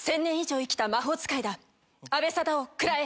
阿部サダヲ食らえ！